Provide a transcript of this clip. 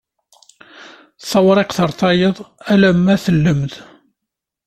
Tawriqt ɣer tayeḍ alma tellem-d.